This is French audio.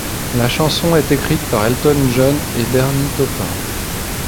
La chanson est écrite par Elton John et Bernie Taupin.